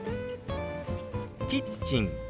「キッチン」。